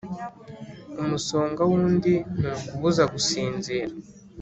Umusonga wundi ntukubuza gusinzira.